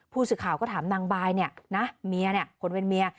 ผู้สื่อข่าวก็ถามนางบายเนี่ยนะเมียเนี่ยคนเป็นเมีย